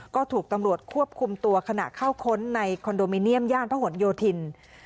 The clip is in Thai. ก็ถูกตำรวจควบคุมตัวขณะเข้าค้นในคอนโดมิเนียมย่านพระหลโยธิน